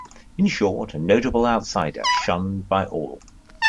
In short, a notable outsider, shunned by all.